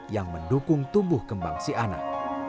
yang mendukung tumbuh kembang si anak